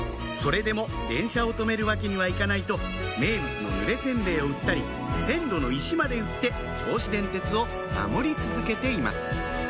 それでも電車を止めるわけにはいかないと名物のぬれ煎餅を売ったり線路の石まで売って銚子電鉄を守り続けています